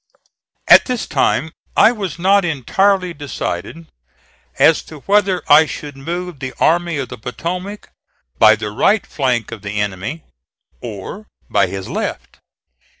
At this time I was not entirely decided as to whether I should move the Army of the Potomac by the right flank of the enemy, or by his left.